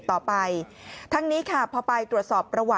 คุณผู้ชมฟังเสียงผู้หญิง๖ขวบโดนนะคะ